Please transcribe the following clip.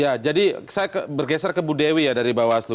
ya jadi saya bergeser ke bu dewi ya dari bawaslu